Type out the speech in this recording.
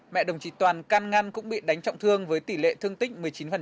mẹ đồng chí toàn can ngăn cũng bị đánh trọng thương với tỷ lệ thương tích một mươi chín